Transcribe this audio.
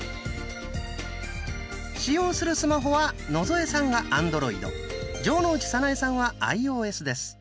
使用するスマホは野添さんがアンドロイド城之内早苗さんはアイオーエスです。